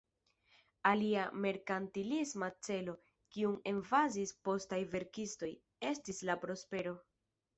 Alia merkantilisma celo, kiun emfazis postaj verkistoj, estis la prospero.